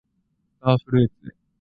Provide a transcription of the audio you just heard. スターフルーツ